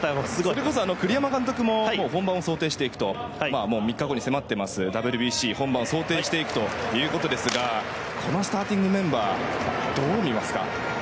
それこそ栗山監督も３日後に迫っていますＷＢＣ本番を想定していくそうですがこのスターティングメンバーどう見ますか？